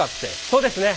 そうですね。